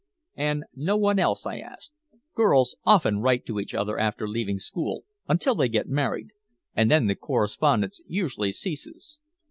"And no one else?" I asked. "Girls often write to each other after leaving school, until they get married, and then the correspondence usually ceases."